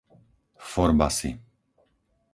Forbasy